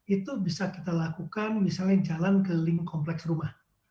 itu bisa kita lakukan misalnya jalan ke link kompleks rumah